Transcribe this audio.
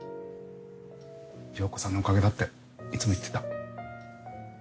「陽子さんのおかげだ」っていつも言ってた。